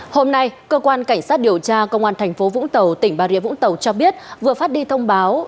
hôm nay cơ quan cảnh sát điều tra công an tp vũng tàu tỉnh bà ria vũng tàu cho biết vừa phát đi thông báo